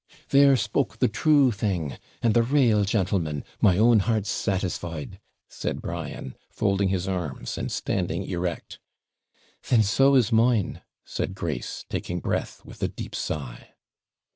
'There spoke the true thing! and the RAEL gentleman; my own heart's satisfied,' said Brian, folding his arms, and standing erect. 'Then so is mine,' said Grace, taking breath, with a deep sigh.